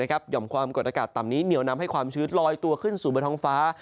ห่อมความกดอากาศต่ำนี้เหนียวนำให้ความชื้นลอยตัวขึ้นสู่บนท้องฟ้า